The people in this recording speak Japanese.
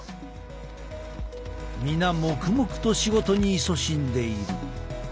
皆黙々と仕事にいそしんでいる。